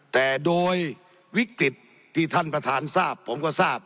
แต่โดยวิกฤตที่ท่านประธานทราบผมก็ทราบ